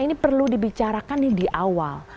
ini perlu dibicarakan di awal